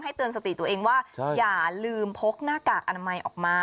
เตือนสติตัวเองว่าอย่าลืมพกหน้ากากอนามัยออกมา